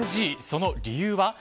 その理由は？